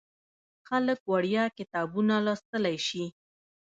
خلک وړیا کتابونه لوستلی شي.